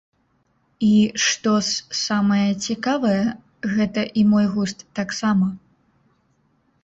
І, штос самае цікавае, гэта і мой густ таксама.